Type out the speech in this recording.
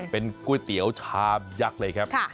เป็นก๋วยเตี๋ยวชามยักษ์เลยครับ